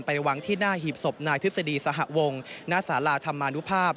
วางที่หน้าหีบศพนายทฤษฎีสหวงณสาราธรรมนุภาพ